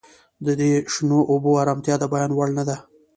د دې شنو اوبو ارامتیا د بیان وړ نه ده